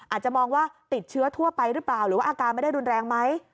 อาจจะมองว่าติดเชื้อทั่วไปหรือเปล่าหรือว่าอาการไม่ได้รุนแรงไหม